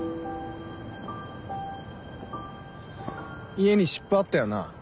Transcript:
家に湿布あったよな？